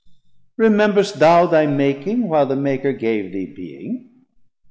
rememberst thou Thy making, while the Maker gave thee being?